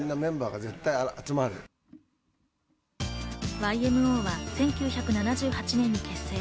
ＹＭＯは１９７８年に結成。